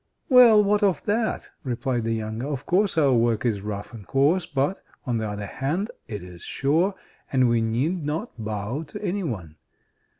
"Well, what of that?" replied the younger. "Of course our work is rough and coarse. But, on the other hand, it is sure; and we need not bow to any one.